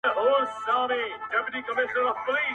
په یوې لارې